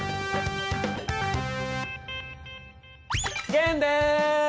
玄です！